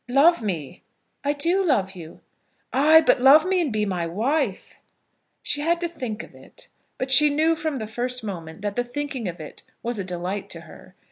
"Love me." "I do love you." "Ay, but love me and be my wife." She had to think of it; but she knew from the first moment that the thinking of it was a delight to her.